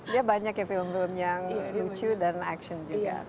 ya banyak ya film film yang lucu dan action juga